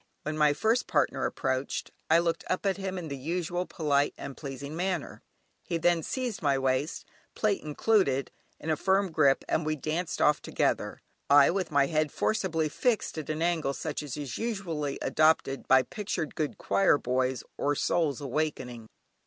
When my first partner approached I looked up at him in the usual polite and pleasing manner; he then seized my waist, plait included, in a firm grip and we danced off together, I with my head forcibly fixed at an angle such as is usually adopted by pictured good choir boys or "Souls awakening."